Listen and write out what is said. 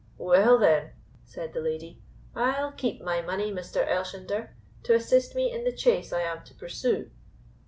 "Well, then," said the lady, "I'll keep my money, Mr. Elshender, to assist me in the chase I am to pursue."